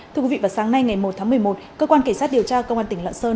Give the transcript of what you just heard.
thưa quý vị vào sáng nay ngày một tháng một mươi một cơ quan kỳ sát điều tra cơ quan tỉnh lợn sơn